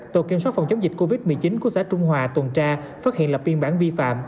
tổ kiểm soát phòng chống dịch covid một mươi chín của xã trung hòa tuần tra phát hiện lập biên bản vi phạm